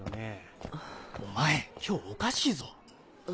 お前今日おかしいぞ。